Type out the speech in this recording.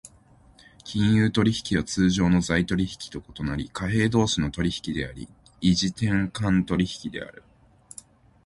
金融取引は通常の財取引と異なり、貨幣同士の取引であり、異時点間取引である。